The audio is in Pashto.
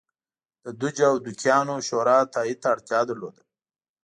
د دوج او دوکیانو شورا تایید ته اړتیا درلوده.